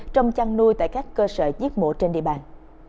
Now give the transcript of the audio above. trong chăn nuôi tại các cơ sở giết mổ trên địa bàn